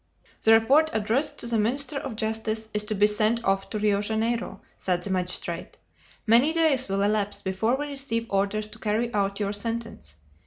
"The report, addressed to the minister of justice, is to be sent off to Rio Janeiro," said the magistrate. "Many days will elapse before we receive orders to carry out your sentence.